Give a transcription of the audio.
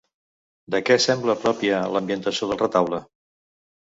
De què sembla pròpia l'ambientació del retaule?